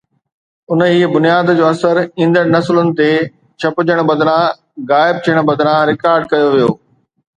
انهيءَ بنياد جو اثر ايندڙ نسلن تي ڇپجڻ بدران غائب ٿيڻ بدران رڪارڊ ڪيو ويو.